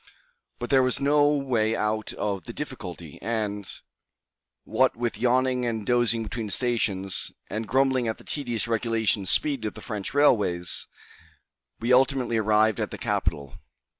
But there was no way out of the difficulty, and, what with yawning and dozing between the stations, and grumbling at the tedious regulation speed of the French railways, we ultimately arrived at the capital.